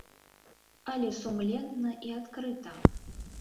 Але сумленна і адкрыта.